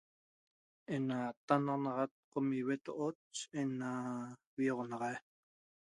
Ena ta nonaxat qomi hueto'ot ena huioxonaxaiq